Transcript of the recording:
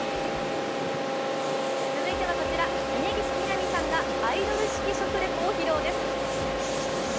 続いてはこちら、峯岸みなみさんがアイドル式食レポを披露です。